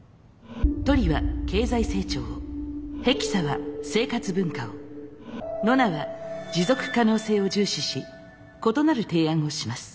トリは経済成長をヘキサは生活文化をノナは持続可能性を重視し異なる提案をします。